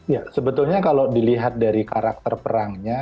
ya sebetulnya kalau dilihat dari karakter perangnya